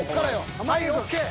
はいＯＫ！